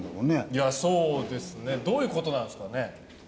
いやそうですね。どういう事なんですかね？